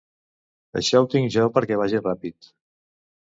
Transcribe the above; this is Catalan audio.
Això ho tinc jo perquè vagi ràpid.